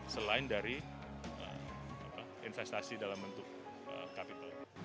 selain dari investasi dalam bentuk capital